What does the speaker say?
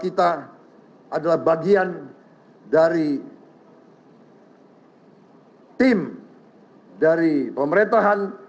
kita adalah bagian dari tim dari pemerintahan